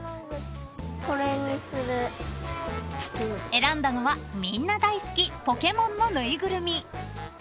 ［選んだのはみんな大好きポケモンのぬいぐるみ］